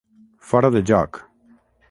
Fora de joc.